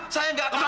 saya nggak tahu